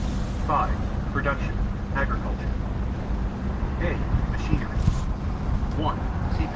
(5) Production: Agriculture (a) Machinery (1) See par.